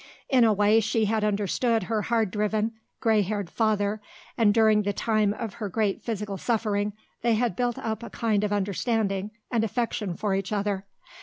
In a way she had understood her hard driven, grey haired father and during the time of her great physical suffering they had built up a kind of understanding and affection for each other.